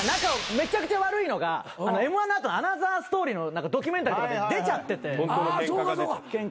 めちゃくちゃ悪いのがＭ−１の後の『アナザーストーリー』のドキュメンタリーとかで出ちゃっててケンカしてるのが。